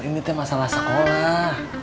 ini masalah sekolah